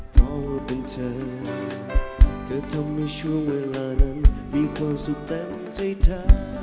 เพราะว่าเป็นเธอเธอทำให้ช่วงเวลานั้นมีความสุขเต็มใจเธอ